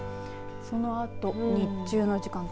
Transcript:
そのあと日中の時間帯